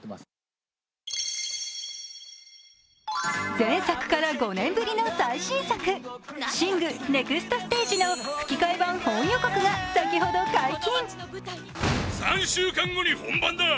前作から５年ぶりの最新作、「ＳＩＮＧ／シング：ネクストステージ」の吹き替え版本予告が先ほど解禁。